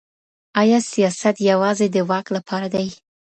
ايا سياست يوازي د واک لپاره دی؟